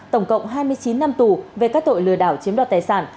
tổng cộng hai mươi chín năm tù về các tội lừa đảo chiếm đoạt tài sản